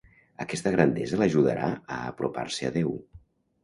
Aquesta grandesa l'ajudarà a apropar-se a Déu.